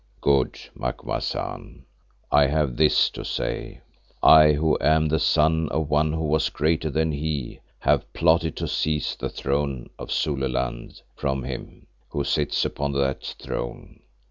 "Good, Macumazahn. I have this to say. I who am the son of one who was greater than he, have plotted to seize the throne of Zululand from him who sits upon that throne.